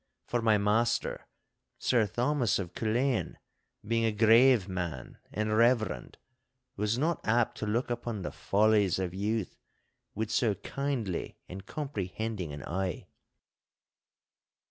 For my master, Sir Thomas of Culzean, being a grave man and reverend, was not apt to look upon the follies of youth with so kindly and comprehending an eye.